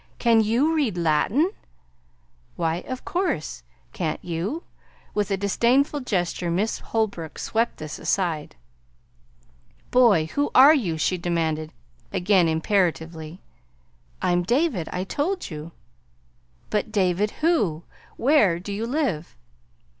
"Can YOU read Latin?" "Why, of course! Can't you?" With a disdainful gesture Miss Holbrook swept this aside. "Boy, who are you?" she demanded again imperatively. "I'm David. I told you." "But David who? Where do you live?"